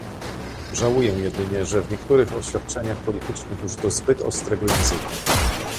Żałuję jedynie, że w niektórych oświadczeniach politycznych użyto zbyt ostrego języka